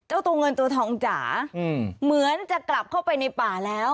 ตัวเงินตัวทองจ๋าเหมือนจะกลับเข้าไปในป่าแล้ว